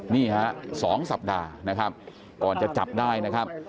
นี่ฮะ๒สัปดาห์นะครับก่อนจะจับได้นะครับ